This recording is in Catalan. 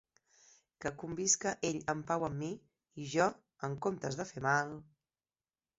Que convisca ell en pau amb mi, i jo, en comptes de fer mal...